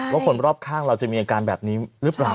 ว่าคนรอบข้างเราจะมีอาการแบบนี้หรือเปล่า